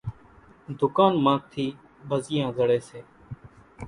ۮُڪانَ مان ٿِي ڀزِيان زڙيَ سي۔